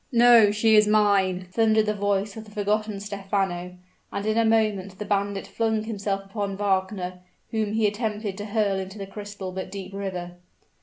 "No; she is mine!" thundered the voice of the forgotten Stephano, and in a moment the bandit flung himself upon Wagner, whom he attempted to hurl into the crystal but deep river.